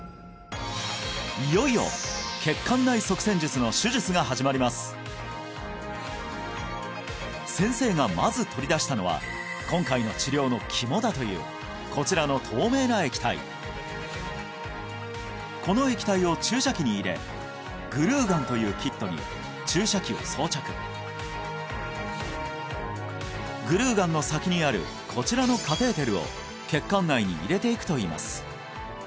いよいよ血管内塞栓術の手術が始まります先生がまず取り出したのは今回の治療のキモだというこちらの透明な液体この液体を注射器に入れグルーガンというキットに注射器を装着グルーガンの先にあるこちらのカテーテルを血管内に入れていくといいます